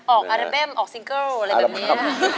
อาราเบมออกซิงเกิลอะไรแบบนี้